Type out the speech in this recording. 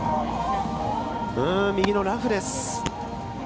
右のラフです。